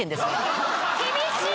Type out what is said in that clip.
厳しい！？